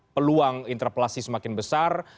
peluang interpelasi semakin besar